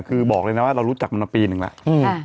คือบอกเลยนะว่าเรารู้จักมันมาปีนึงแล้ว